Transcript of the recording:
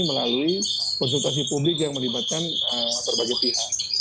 melalui konsultasi publik yang melibatkan berbagai pihak